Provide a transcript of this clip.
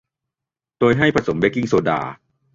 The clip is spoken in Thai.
โดยให้ผสมเบกกิ้งโซดา